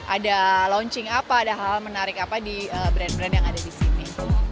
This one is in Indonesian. ada launching apa ada hal hal menarik apa di brand brand yang ada di sini